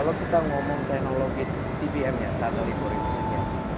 kalau kita ngomong teknologi tbm ya tanah rekorin mesinnya